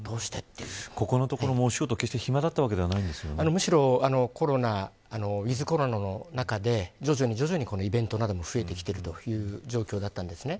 ここのところ、お仕事暇だったわけではむしろ、ウィズコロナの中で徐々にイベントなども増えてきているという状況だったんですね。